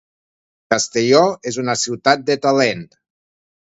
Castelló és una ciutat de talent.